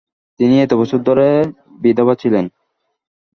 তিনি এত বছর ধরে বিধবা ছিলেন।